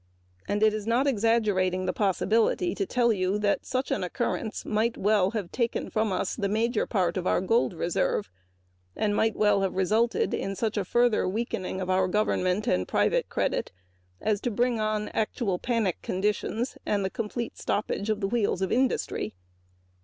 It is not exaggerating the possibility to tell you that such an occurrence might well have taken from us the major part of our gold reserve and resulted in such a further weakening of our government and private credit as to bring on actual panic conditions and the complete stoppage of the wheels of industry.